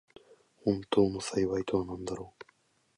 本当の幸いとはなんだろう。